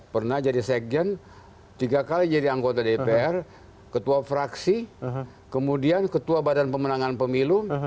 pernah jadi sekjen tiga kali jadi anggota dpr ketua fraksi kemudian ketua badan pemenangan pemilu